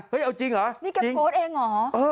เฮ้ยเอาจริงเหรอจริงนี่กับโพสต์เองเหรอ